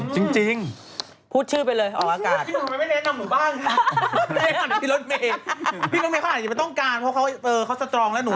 จริงอันนี้เคยบอกเขาแล้ว